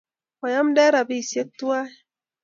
oyemden robisiek tuwai